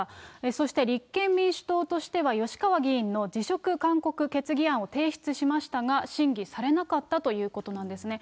そして立憲民主党としては、吉川議員の辞職勧告決議案を提出しましたが、審議されなかったということなんですね。